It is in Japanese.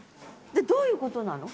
でどういうことなの？